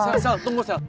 sel sel tunggu sel